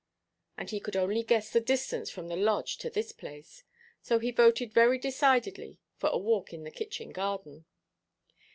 And he could only guess the distance from the lodge to this place. So he voted very decidedly for a walk in the kitchen–garden.